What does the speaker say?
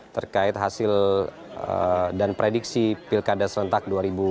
terkait hasil dan prediksi pilkada serentak dua ribu dua puluh